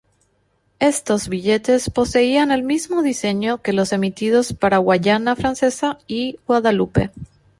Estos billetes poseían el mismo diseño que los emitidos para Guayana Francesa y Guadalupe.